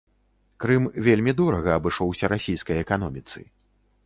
Крым вельмі дорага абышоўся расійскай эканоміцы.